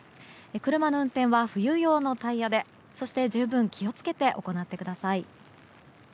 車の運転は冬用のタイヤでそして十分気を付けて行ってください。